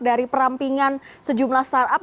dari perampingan sejumlah startup